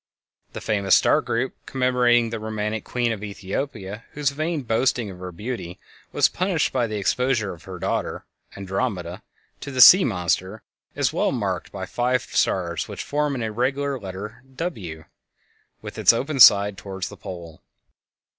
This famous star group commemorating the romantic Queen of Ethiopia whose vain boasting of her beauty was punished by the exposure of her daughter Andromeda to the "Sea Monster," is well marked by five stars which form an irregular letter "W" with its open side toward the pole.